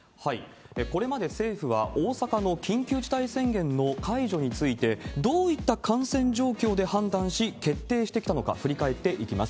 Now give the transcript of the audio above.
これまで政府は、大阪の緊急事態宣言の解除について、どういった感染状況で判断し決定してきたのか、振り返っていきます。